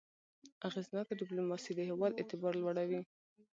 اغېزناکه ډيپلوماسي د هېواد اعتبار لوړوي.